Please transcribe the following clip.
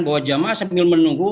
bahwa jamaah sambil menunggu